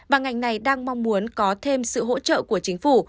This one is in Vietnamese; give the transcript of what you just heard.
và ngành này đang mong muốn có thêm sự hỗ trợ của chính phủ